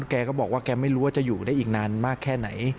แกก็บอกว่าแกไม่รู้ว่าจะอยู่ได้อีกนานมากแค่ไหน